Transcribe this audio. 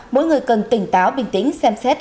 mỗi người cần tỉnh táo bình tĩnh xem xét